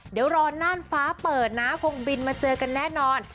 เดี๋ยวรอน่านฟ้าเปิดนะคงบินมาเจอกันแน่นอน